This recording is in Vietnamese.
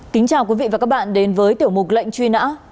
kính chào quý vị và các bạn đến với tiểu mục lệnh truy nã